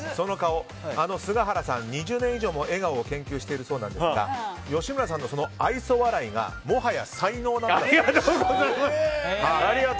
菅原さん、２０年以上も笑顔を研究しているそうですが吉村さんの愛想笑いがもはや才能だと。